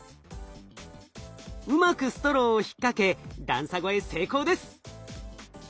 うまくストローを引っ掛け段差越え成功です。